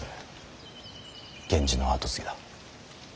源氏の跡継ぎだ。